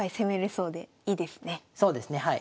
そうですねはい。